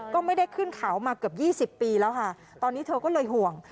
ก็ไม่ได้ขึ้นเขามาเกือบ๒๐ปีแล้วค่ะตอนนี้เธอก็เลยห่วง